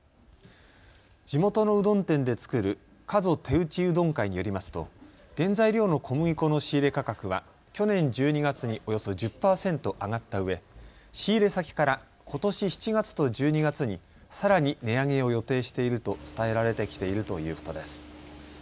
地元のうどん店で作る加須手打うどん会によりますと原材料の小麦粉の仕入れ価格は去年１２月におよそ１０％上がったうえ仕入れ先からことし７月と１２月にさらに値上げを予定していると伝えられてきているということです。